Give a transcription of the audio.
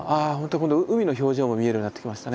今度は海の表情も見えるようになってきましたね。